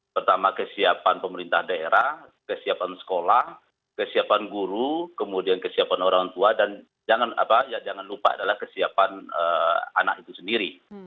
pertama kesiapan pemerintah daerah kesiapan sekolah kesiapan guru kemudian kesiapan orang tua dan jangan lupa adalah kesiapan anak itu sendiri